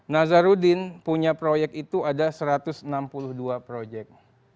nazarudin punya proyek itu ada satu ratus enam puluh dua proyek